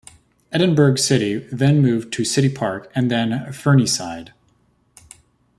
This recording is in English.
Edinburgh City then moved to City Park and then Fernieside.